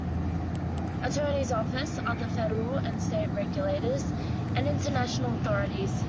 Attorneys' Offices, other Federal and state regulators, and international authorities.